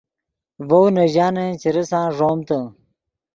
ڤؤ نے ژانن چے ریسان ݱومتے